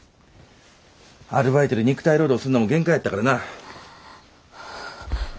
アルバイトで肉体労働すんのも限界やったからな。